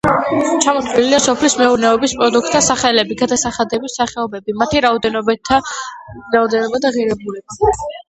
ჩამოთვლილია სოფლის მეურნეობის პროდუქტთა სახელები, გადასახადების სახეობები, მათი რაოდენობა და ღირებულება.